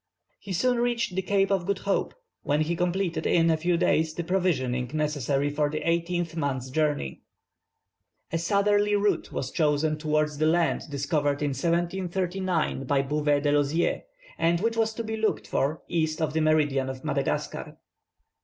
He soon reached the Cape of Good Hope, where he completed in a few days the provisioning necessary for an eighteen months' voyage. A southerly route was chosen towards the land discovered in 1739 by Bouvet de Lozier, and which was to be looked for east of the meridian of Madagascar.